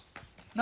何？